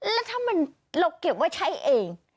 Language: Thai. แล้วถ้าเราเก็บไว้ใช้เอง